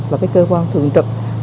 và cơ quan thường trực